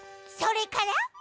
それから？